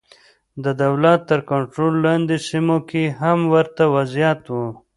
د دولت تر کنټرول لاندې سیمو کې هم ورته وضعیت و.